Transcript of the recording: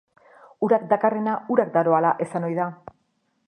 Urak dakarrena urak daroala esan ohi da.